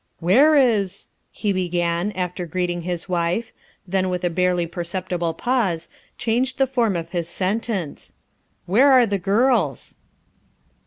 "Where is —" he began after greeting his wife, then with a barely perceptible pause changed the form of his sentence: "Where are the girls